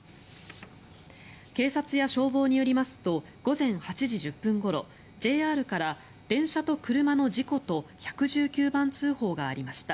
警察や消防によりますと午前８時１０分ごろＪＲから、電車と車の事故と１１９番通報がありました。